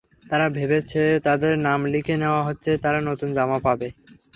তারা ভেবেছে যাদের নাম লিখে নেওয়া হচ্ছে, তারা নতুন জামা পাবে।